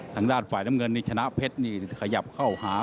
ทางด้านฝ่ายน้ำเงินนี่ชนะเพชรนี่ขยับเข้าหา